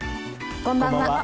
こんばんは。